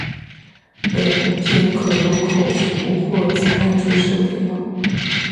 本品可由口服或静脉注射给药。